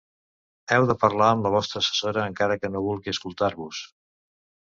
Heu de parlar amb la vostra assessora, encara que no vulgui escoltar-vos.